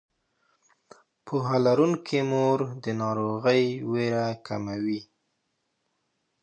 پوهه لرونکې مور د ناروغۍ ویره کموي.